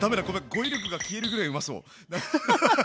語彙力が消えるぐらいうまそう！